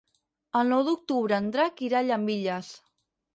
El nou d'octubre en Drac irà a Llambilles.